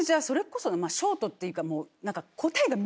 それこそショートっていうか。